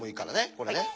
これね。